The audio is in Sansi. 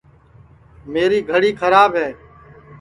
میری گھڑی کھراب ہے